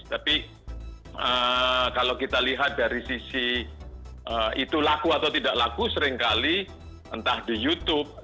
tapi kalau kita lihat dari sisi itu laku atau tidak laku seringkali entah di youtube